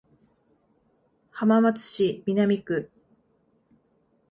浜松市南区